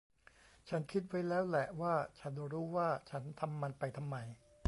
ฉันคิดไว้แล้วแหละว่า ฉันรู้ว่าฉันทำมันไปทำไม